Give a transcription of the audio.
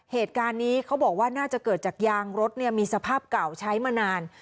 เหตุการณ์นี้เขาบอกว่าน่าจะเกิดจากยางรถมีสภาพเก่าใช้มานาน